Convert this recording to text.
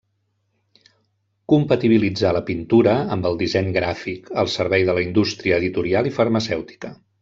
Compatibilitzà la pintura amb el disseny gràfic, al servei de la indústria editorial i farmacèutica.